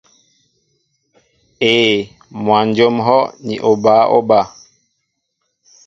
Éē, mwajóm ŋ̀hɔ́ ni bǎ óba.